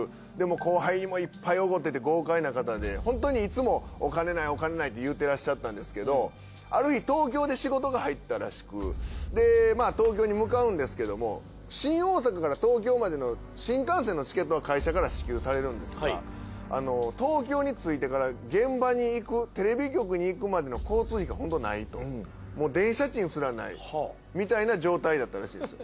後輩にもいっぱいおごってって豪快な方で本当にいつもお金ないお金ないって言うてらっしゃったんですけどある日東京で仕事が入ったらしく東京に向かうんですけども新大阪から東京までの新幹線のチケットは会社から支給されるんですが東京に着いてから現場に行くテレビ局に行くまでの交通費が本当ないともう電車賃すらないみたいな状態だったらしいんすよ。